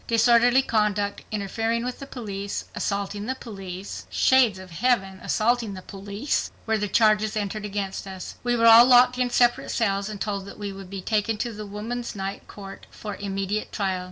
Disorderly conduct, interfering with the police, assaulting the police (Shades of Heaven! assaulting the police!), were the charges entered against us. We were all locked in separate cells and told that we would be taken to the Woman's Night Court for immediate trial.